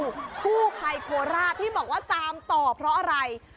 กู้ภัยโคราชที่บอกว่าตามต่อเพราะอะไร